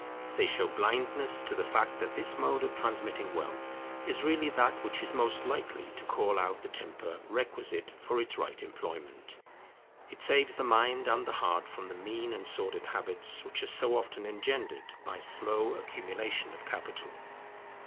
They show blindness to the fact that this mode of transmitting wealth is really that which is most likely to call out the temper requisite for its right employment. It saves the mind and the heart from the mean and sordid habits which are so often engendered by slow accumulation of capital.